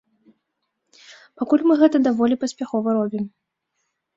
Пакуль мы гэта даволі паспяхова робім.